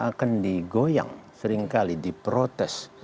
akan digoyang seringkali diprotes